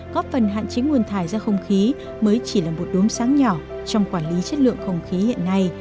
góp phần hạn chế nguồn thải ra không khí mới chỉ là một đốm sáng nhỏ trong quản lý chất lượng không khí hiện nay